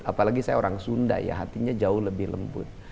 apalagi saya orang sunda ya hatinya jauh lebih lembut